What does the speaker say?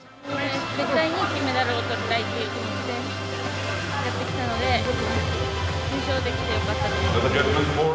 浜田選手がオリンピック初出絶対に金メダルをとりたいという気持ちでやってきたので、優勝できてよかったです。